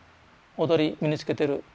踊り身につけてる。